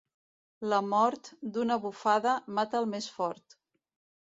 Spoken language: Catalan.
La mort, d'una bufada, mata el més fort.